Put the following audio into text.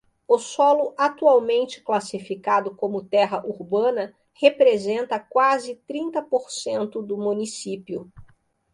O solo atualmente classificado como terra urbana representa quase trinta por cento do município.